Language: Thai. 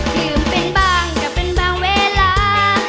ลืมเป็นบ้างก็เป็นบางเวลา